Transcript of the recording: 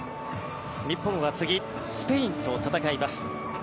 日本は次、スペインと戦います。